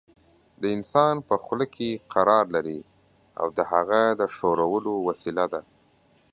د انسان په خوله کې قرار لري او د هغه د ښورولو وسیله ده.